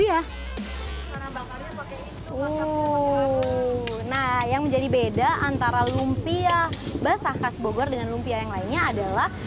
nah yang menjadi beda antara lumpia basah khas bogor dengan lumpia yang lainnya adalah